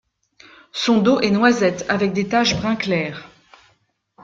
Son dos est noisette avec des taches brun clair.